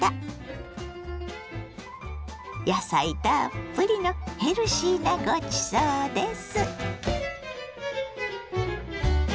野菜たっぷりのヘルシーなごちそうです。